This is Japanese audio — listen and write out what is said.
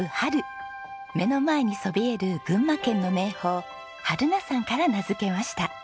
目の前にそびえる群馬県の名峰榛名山から名付けました。